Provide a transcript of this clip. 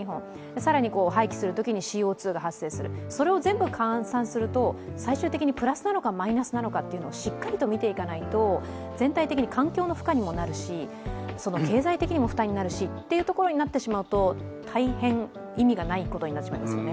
更に廃棄するときにＣＯ２が発生するそれを全部換算すると、最終的にプラスなのか、マイナスなのかをしっかりと見ていかないと全体的に環境の負荷にもなるし経済的にも負担になるしっていうところになってしまうと大変、意味のないことになってしまいますよね？